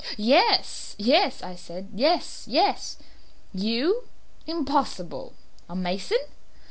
"Yes, yes," I said; "yes, yes." "You? Impossible! A mason?"